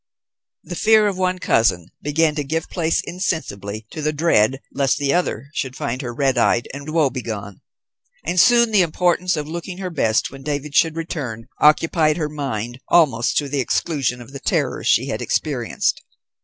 The fear of one cousin began to give place insensibly to the dread lest the other should find her red eyed and woe begone; and soon the importance of looking her best when David should return occupied her mind almost to the exclusion of the terrors she had experienced.